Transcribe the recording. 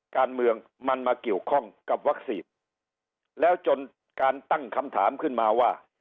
การเมืองมันมาเกี่ยวข้องกับวัคซีนแล้วจนการตั้งคำถามขึ้นมาว่า